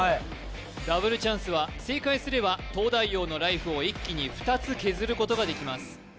ダブルチャンスは正解すれば東大王のライフを一気に２つ削ることができます